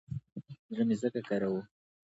زړه مې ځکه کره و.